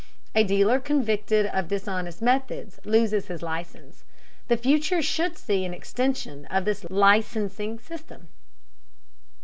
A dealer convicted of dishonest methods loses his license. The future should see an extension of this licensing system.